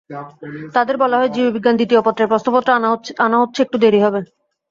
তাদের বলা হয়, জীববিজ্ঞান দ্বিতীয়পত্রের প্রশ্নপত্র আনা হচ্ছে একটু দেরি হবে।